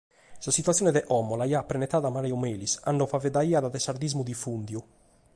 Sa situatzione de como l’aiat prenetada Mario Melis, cando faeddaiat de sardismu difùndidu.